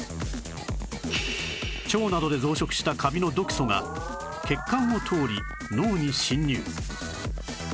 腸などで増殖したカビの毒素が血管を通り脳に侵入